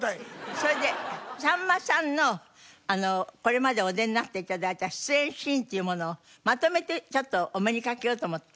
それでさんまさんのこれまでお出になって頂いた出演シーンっていうものをまとめてちょっとお目にかけようと思って。